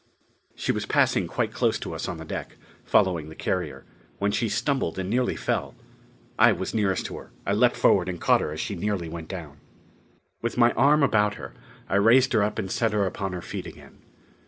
She was passing quite close to us on the deck, following the carrier, when she stumbled and very nearly fell. I was nearest to her. I leaped forward and caught her as she nearly went down. With my arm about her, I raised her up and set her upon her feet again.